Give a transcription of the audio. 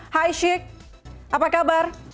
hai sheik apa kabar